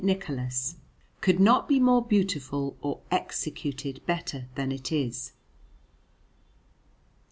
Nicholas, could not be more beautiful or executed better than it is.